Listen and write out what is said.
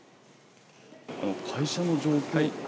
会社の状況って。